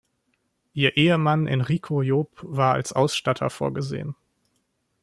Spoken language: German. Ihr Ehemann Enrico Job war als Ausstatter vorgesehen.